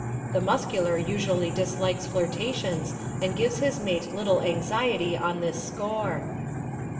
The Muscular usually dislikes flirtations and gives his mate little anxiety on this score.